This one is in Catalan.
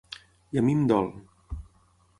I a mi em dol.